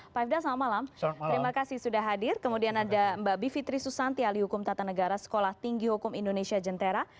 pak ifdal selamat malam terima kasih sudah hadir kemudian ada mbak bivitri susanti alih hukum tata negara sekolah tinggi hukum indonesia jentera